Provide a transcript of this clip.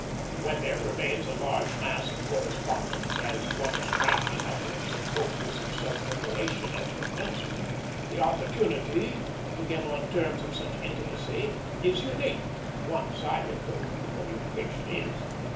When there remains a huge mass of correspondence, by one as frank in utterance and copious in self revelation as was Nelson, the opportunity to get on terms of such intimacy is unique, one sided though the communication is.